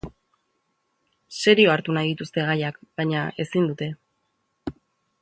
Serio hartu nahi dituzte gaiak baina, ezin dute.